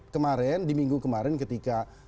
kemarin di minggu kemarin ketika